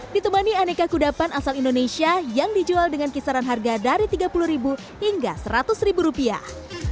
ditemani aneka kudapan asal indonesia yang dijual dengan kisaran harga dari tiga puluh hingga seratus ribu rupiah